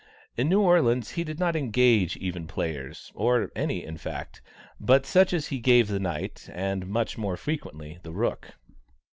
In New Orleans, he did not engage even players, or any, in fact, but such as he gave the knight, and much more frequently, the rook.